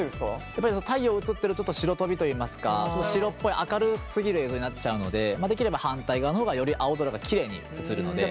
やっぱり太陽映ってると白飛びといいますか白っぽい明るすぎる映像になっちゃうのでできれば反対側の方がより青空がきれいに映るので。